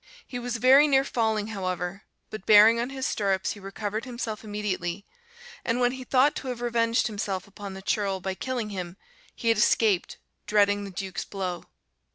He was very near falling, however, but bearing on his stirrups he recovered himself immediately; and when he thought to have revenged himself upon the churl by killing him, he had escaped, dreading the Duke's blow.